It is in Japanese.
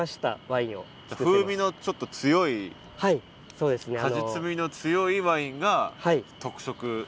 風味のちょっと強い果実味の強いワインが特色？